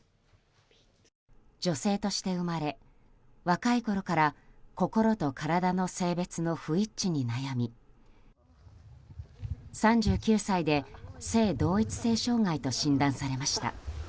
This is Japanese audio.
女性として生まれ、若いころから心と体の性別の不一致に悩み３９歳で性同一性障害と診断されました。